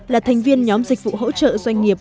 là thành viên nhóm dịch vụ hỗ trợ doanh nghiệp